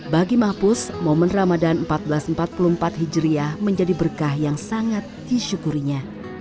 bagi mahpus momen ramadan seribu empat ratus empat puluh empat hijriah menjadi berkah yang sangat disyukurinya